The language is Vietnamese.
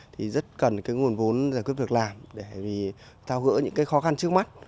thì rất cần cái nguồn vốn giải quyết việc làm để tạo gỡ những cái khó khăn trước mắt